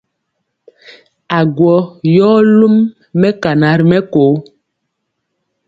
Agwɔ yɔ lum mɛkana ri mɛko.